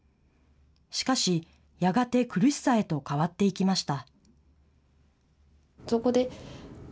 しかし、やがて苦しさへと変わっていきました。